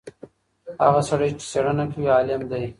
هغه سړی چي څېړنه کوي عالم دی.